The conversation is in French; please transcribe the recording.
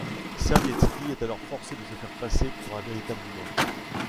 Servietsky est alors forcé de se faire passer pour un véritable humain.